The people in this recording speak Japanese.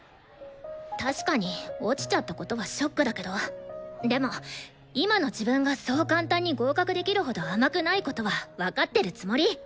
確かに落ちちゃったことはショックだけどでも今の自分がそう簡単に合格できるほど甘くないことは分かってるつもり。